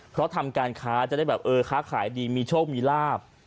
เพราะทำการค้าจะได้แบบเออค้าขายดีมีโชคมีลาบ